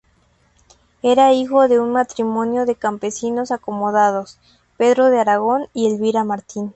Era hijo de un matrimonio de campesinos acomodados, Pedro de Aragón y Elvira Martín.